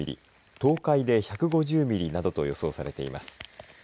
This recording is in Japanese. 東海で１５０ミリなどと予想されています。